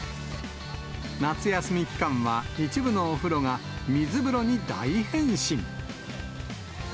夏休み期間は一部のお風呂が水風呂に大変身。